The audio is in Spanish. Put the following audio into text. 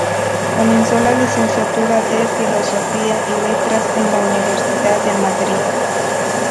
Comenzó la licenciatura de Filosofía y Letras en la Universidad de Madrid.